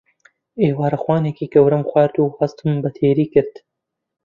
ئێوارەخوانێکی گەورەم خوارد و هەستم بە تێری کرد.